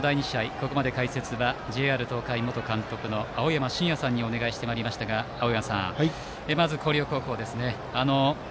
ここまで解説はＪＲ東海元監督の青山眞也さんにお願いしてまいりましたが青山さん、まず広陵高校ですね。